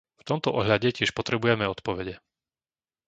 V tomto ohľade tiež potrebujeme odpovede.